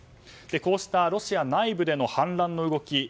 こうしたロシア内部での反乱の動き